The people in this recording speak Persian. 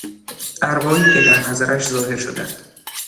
ارواحی که در نظرش ظاهر شدند